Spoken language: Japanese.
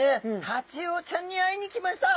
タチウオちゃんに会いに来ました。